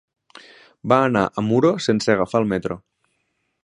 Va anar a Muro sense agafar el metro.